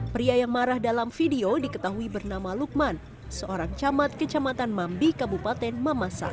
pria yang marah dalam video diketahui bernama lukman seorang camat kecamatan mambi kabupaten mamasa